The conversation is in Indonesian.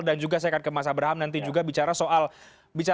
dan juga saya akan ke mas abraham nanti juga bicara soal data